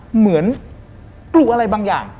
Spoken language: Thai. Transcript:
เหมือนกลัวอะไรบางอย่าง